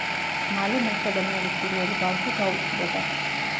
მალე მასა და მერის პირველი ბავშვი გაუჩნდებათ.